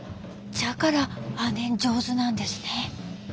じゃからあねん上手なんですね。